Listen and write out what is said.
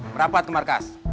berapat ke markas